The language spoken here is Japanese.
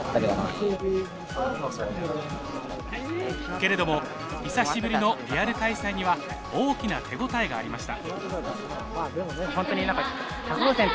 けれども久しぶりのリアル開催には大きな手応えがありました。